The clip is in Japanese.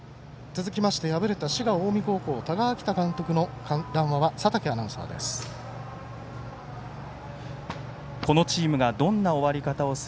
続きまして敗れた滋賀の近江多賀章仁監督の談話は佐竹アナウンサーです。